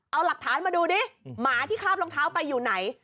เอาหลักฐานมาดูดิหมาที่คาบรองเท้าไปอยู่ไหน